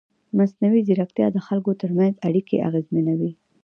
مصنوعي ځیرکتیا د خلکو ترمنځ اړیکې اغېزمنوي.